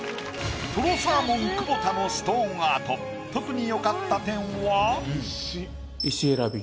とろサーモン久保田のストーンアート特に。